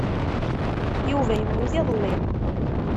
Yuba yemmut iḍelli.